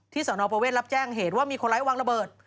สนประเวทรับแจ้งเหตุว่ามีคนร้ายวางระเบิด